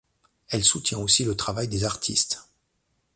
Elle soutient aussi le travail des artistes.